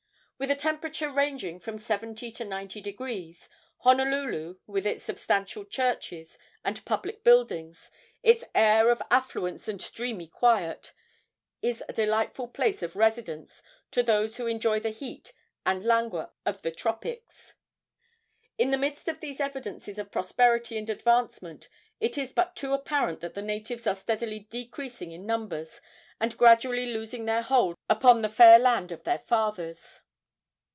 With a temperature ranging from seventy to ninety degrees, Honolulu, with its substantial churches and public buildings, its air of affluence and dreamy quiet, is a delightful place of residence to those who enjoy the heat and languor of the tropics. In the midst of these evidences of prosperity and advancement it is but too apparent that the natives are steadily decreasing in numbers and gradually losing their hold upon the fair land of their fathers.